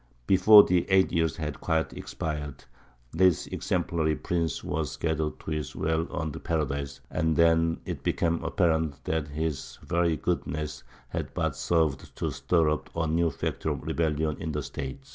Before the eight years had quite expired, this exemplary prince was gathered to his well earned paradise; and then it became apparent that his very goodness had but served to stir up a new factor of rebellion in the State.